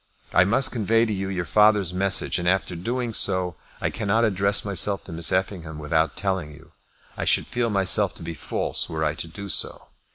I must convey to you your father's message, and after doing so I cannot address myself to Miss Effingham without telling you. I should feel myself to be false were I to do so.